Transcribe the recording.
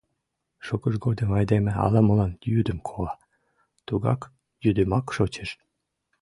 Шукыж годым айдеме ала-молан йӱдым кола, тугак йӱдымак шочеш.